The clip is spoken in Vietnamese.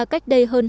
cách đây hơn hai năm